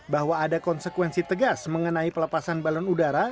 bahwa ada konsekuensi tegas mengenai pelepasan balon udara